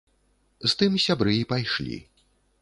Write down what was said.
З тым сябры і пайшлі.